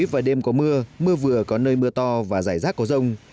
vào đêm có mưa mưa vừa có nơi mưa to và giải rác có rông